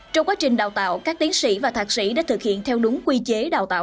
trong quá trình đào tạo các tiến sĩ và thạc sĩ đã thực hiện theo đúng quy chế đào tạo